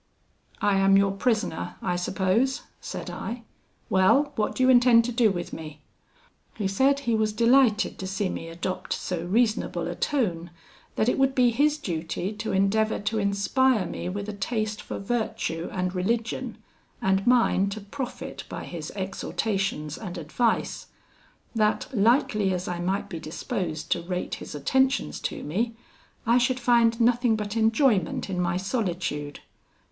'I am your prisoner, I suppose?' said I; 'well, what do you intend to do with me?' He said, he was delighted to see me adopt so reasonable a tone; that it would be his duty to endeavour to inspire me with a taste for virtue and religion, and mine to profit by his exhortations and advice: that lightly as I might be disposed to rate his attentions to me, I should find nothing but enjoyment in my solitude.